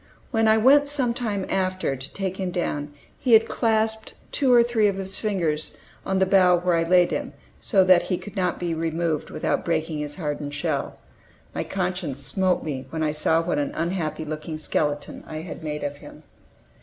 When I went some time after to take him down he had clasped with two or three of his fingers the bough where I laid him, so that he could not be removed without breaking his hardened shell. My conscience smote me when I saw what an unhappy looking skeleton I had made of him.